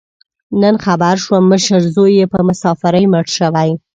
نن خبر شوم، مشر زوی یې په مسافرۍ مړ شوی.